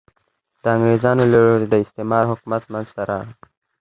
د انګرېزانو له لوري د استعمار حکومت منځته راغی.